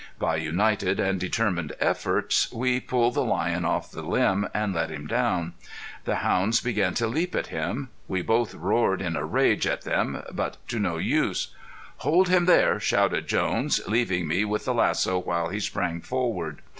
By united and determined efforts we pulled the lion off the limb and let him down. The hounds began to leap at him. We both roared in a rage at them but to no use. "Hold him there!" shouted Jones, leaving me with the lasso while he sprang forward.